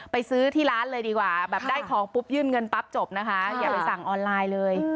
ซื้อที่ร้านเลยดีกว่าแบบได้ของปุ๊บยื่นเงินปั๊บจบนะคะอย่าไปสั่งออนไลน์เลย